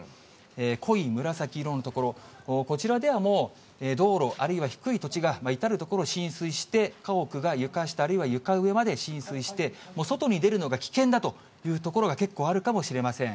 濃い紫色の所、こちらではもう、道路あるいは低い土地が至る所、浸水して、家屋が床下あるいは床上まで浸水して、もう外に出るのが危険だという所が結構あるかもしれません。